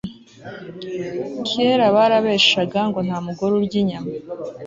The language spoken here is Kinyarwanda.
kera barabeshaga ngo nta mugore urya inyama